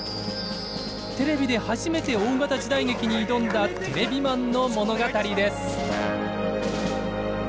テレビで初めて大型時代劇に挑んだテレビマンの物語です。